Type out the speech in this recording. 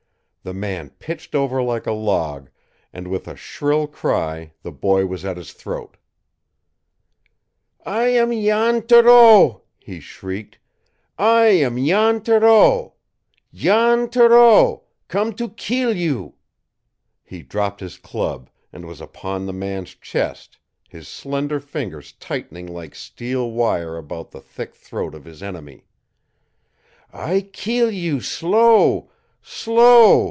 The man pitched over like a log, and with a shrill cry the boy was at his throat. "I am Jan Thoreau!" he shrieked. "I am Jan Thoreau Jan Thoreau come to keel you!" He dropped his club, and was upon the man's chest, his slender fingers tightening like steel wire about the thick throat of his enemy. "I keel you slow slow!"